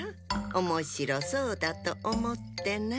おもしろそうだとおもってな。